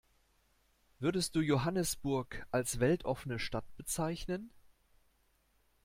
Würdest du Johannesburg als weltoffene Stadt bezeichnen?